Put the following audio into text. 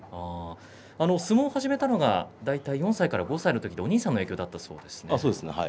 相撲を始めたのが大体４歳から５歳ぐらいでお兄さんの影響だったそうですね。